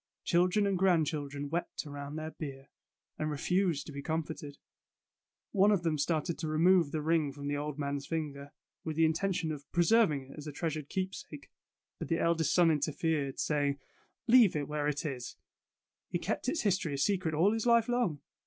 Children and grand children wept around their bier, and refused to be comforted. One of them started to remove the ring from the old man's finger, with the in tention of preserving it as a treasured keep sake, but the eldest son interfered, saying: '' Leave it where it is. He kept its history a secret all his life long.